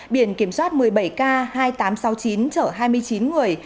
biển kiểm soát một mươi bảy k hai nghìn tám trăm sáu mươi chín chở hai mươi chín người